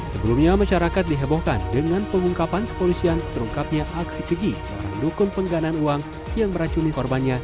sebelumnya masyarakat dihebohkan dengan pengungkapan kepolisian terungkapnya aksi keji seorang dukun pengganan uang yang meracuni korbannya